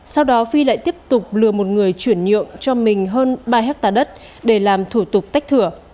sau đó phi lại tiếp tục lừa một người chuyển nhượng cho mình hơn ba hectare đất để làm thủ tục tách thửa